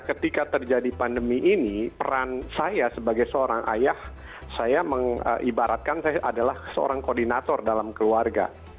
ketika terjadi pandemi ini peran saya sebagai seorang ayah saya mengibaratkan saya adalah seorang koordinator dalam keluarga